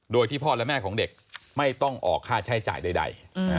โดยที่พ่อและแม่ของเด็กไม่ต้องออกค่าใช้จ่ายใด